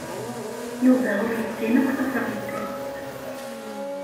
Yuba ur yessin akk tafṛensist.